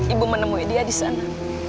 ibu menemui dia disana